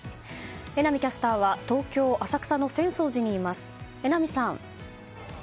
榎並キャスターは東京・浅草の浅草寺にいます。